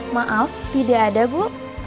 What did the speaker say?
maaf tidak ada bu